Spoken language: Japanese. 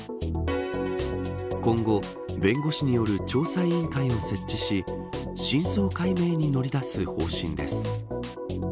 今後、弁護士による調査委員会を設置し真相解明に乗り出す方針です。